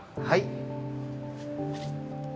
はい。